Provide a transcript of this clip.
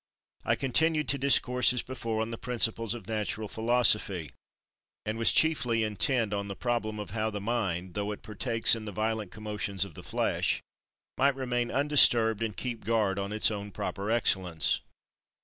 I continued to discourse as before on the principles of natural Philosophy, and was chiefly intent on the problem of how the mind, though it partakes in the violent commotions of the flesh, might remain undisturbed and keep guard on its own proper excellence.